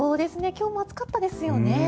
今日も暑かったですよね。